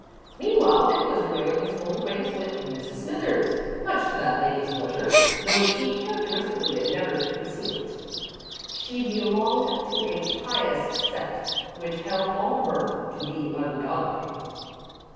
Meanwhile, Dick was renewing his old acquaintance with Mrs. Smithers, much to that lady's pleasure, though she characteristically endeavoured to conceal it. She belonged to a pious sect which held all mirth to be ungodly.